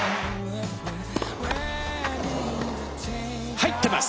入ってます！